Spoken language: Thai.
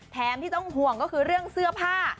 แถมที่ต้องห่วงก็คือเรื่องเสื้อผ้า